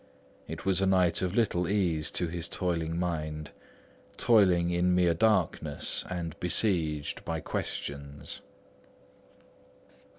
It was a night of little ease to his toiling mind, toiling in mere darkness and besieged by questions.